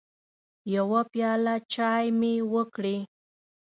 يوه پياله چايي مې وکړې